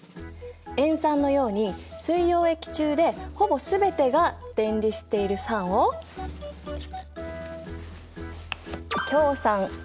塩酸のように水溶液中でほぼ全てが電離している酸を強酸。